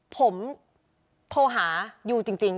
ผมโทรหายูจริง